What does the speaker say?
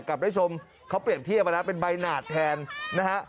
กลับได้ชมเขาเปรียบเทียบนะเป็นใบหนาดแทนนะฮะ